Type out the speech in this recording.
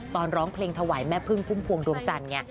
ร้องเพลงถวายแม่พึ่งพุ่มพวงดวงจันทร์ไง